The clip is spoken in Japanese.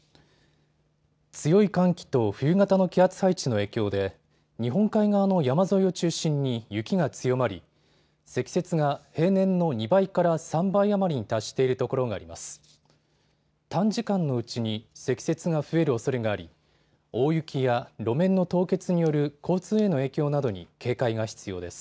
強い寒気と梅雨型の気圧配置の影響で日本海側の山沿いを中心に雪が強まり積雪が平年の２倍から３倍余りに達しているところがあります。